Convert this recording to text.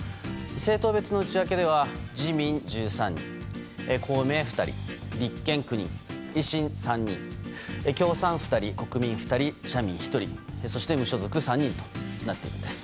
政党別の内訳では自民１３人、公明２人立憲９人、維新３人共産２人、国民２人社民１人そして無所属３人となっています。